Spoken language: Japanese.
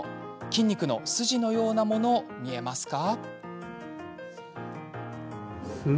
筋肉の筋のようなもの見えますか？